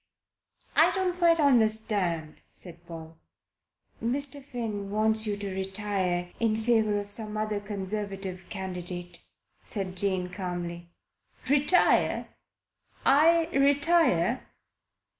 "I don't quite understand," said Paul. "Mr. Finn wants you to retire in favour of some other Conservative candidate," said Jane calmly. "Retire? I retire?"